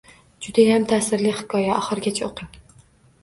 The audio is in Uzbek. Judayam ta'sirli hikoya, oxirigacha o'qing